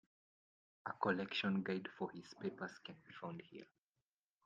A collection guide for his papers can be found here.